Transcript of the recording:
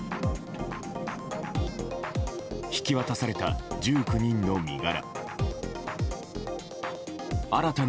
引き渡された１９人の身柄。